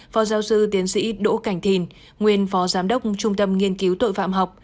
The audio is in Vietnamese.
phó giáo sư tiến sĩ đỗ cảnh thìn nguyên phó giám đốc trung tâm nghiên cứu tội phạm học